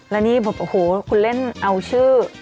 แล้วคุณเล่นเอาชื่อ